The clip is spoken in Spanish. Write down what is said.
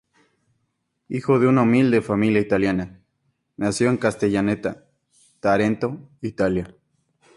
Hijo de una humilde familia italiana, nació en Castellaneta, Tarento, Italia.